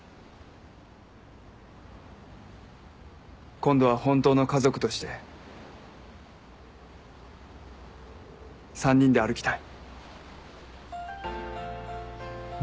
今度は本当の家族として３人で歩きたい。